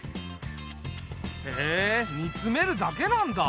へえ煮詰めるだけなんだ。